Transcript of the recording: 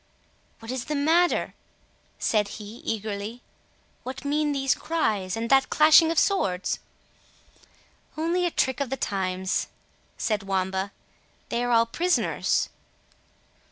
"What is the matter?" said he eagerly; "what mean these cries, and that clashing of swords?" "Only a trick of the times," said Wamba; "they are all prisoners."